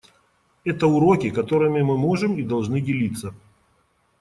Это уроки, которыми мы можем и должны делиться.